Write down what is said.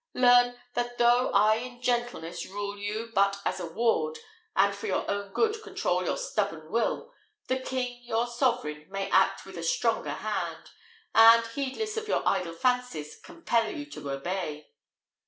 Learn, that though I in gentleness rule you but as a ward, and for your own good control your stubborn will, the king, your sovereign, may act with a stronger hand, and, heedless of your idle fancies, compel you to obey."